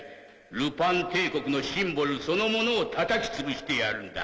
ルパン帝国のシンボルそのものをたたきつぶしてやるんだ。